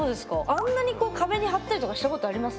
あんなにこう壁に貼ったりとかしたことあります？